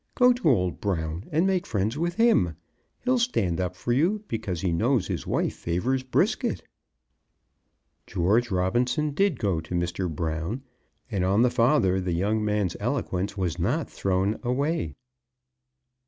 Go to old Brown, and make friends with him. He'll stand up for you, because he knows his wife favours Brisket." George Robinson did go to Mr. Brown, and on the father the young man's eloquence was not thrown away.